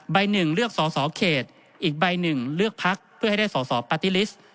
หนึ่งเลือกสอสอเขตอีกใบหนึ่งเลือกพักเพื่อให้ได้สอสอปาร์ตี้ลิสต์